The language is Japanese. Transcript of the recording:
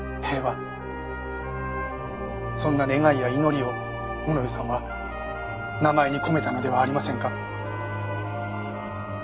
そんな願いや祈りを物部さんは名前に込めたのではありませんか？